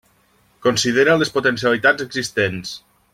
Considera les potencialitats existents.